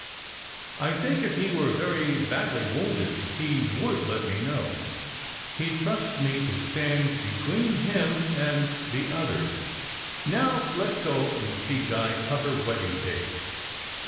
I think if he were very badly wounded, he would let me know. He d trust me to stand between him and the others. Now let s go and see Di cut her wedding cake.